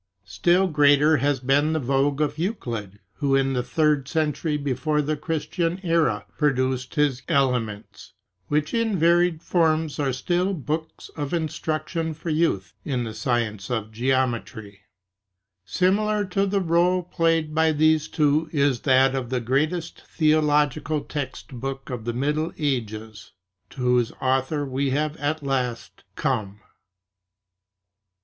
Still greater has been the vogue of Euclid, who in the third century before the Christian era produced his "Elements" which in varied forms are still the books of instruction for youth in the science of geometry. Similar to the role played by these two is that of the greatest theological text book of the Middle Ages, to whose author we have at last come.